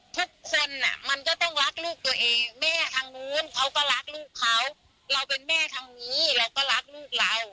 ทุกคนมันก็ต้องรักลูกตัวเองแม่ทางนู้นเขาก็รักลูกเขาเราเป็นแม่ทางนี้เราก็รักลูกเรา